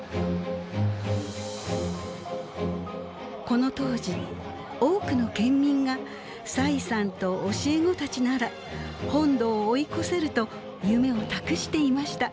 この当時多くの県民が栽さんと教え子たちなら「本土を追い越せる」と夢を託していました。